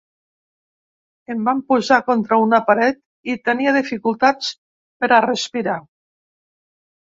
Em van posar contra una paret i tenia dificultats per a respirar.